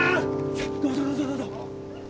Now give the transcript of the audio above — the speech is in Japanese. さあどうぞどうぞどうぞ！